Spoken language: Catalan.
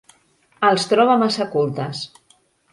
Els troba massa cultes.